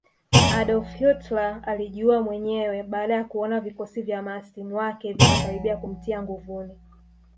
Adolf Hitler alijiua mwenyewe baada ya kuona vikosi vya mahasimu wake vinakaribia kumtia nguvuni